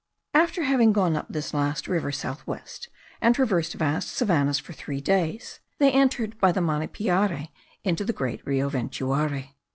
After having gone up this last river south west, and traversed vast savannahs for three days, they entered by the Manipiare into the great Rio Ventuari.